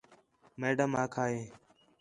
میڈم آکھا ہے